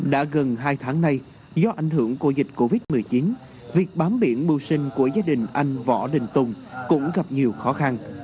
đã gần hai tháng nay do ảnh hưởng của dịch covid một mươi chín việc bám biển mưu sinh của gia đình anh võ đình tùng cũng gặp nhiều khó khăn